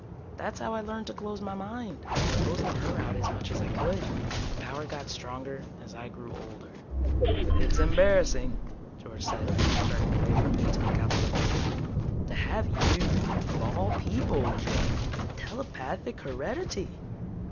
That's how I learned to close my mind closing her out as much as I could. The power got stronger as I grew older." "It's embarrassing," George said, turning away from me to look out the window. "To have you, of all people, Gyp, with telepathic heredity.